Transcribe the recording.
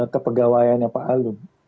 kepegawaiannya pak alun